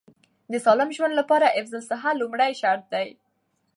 د سالم ژوند لپاره حفظ الصحه لومړی شرط دی.